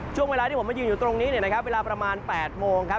ช่วงเวลาที่ผมมายืนอยู่ตรงนี้เนี่ยนะครับเวลาประมาณ๘โมงครับ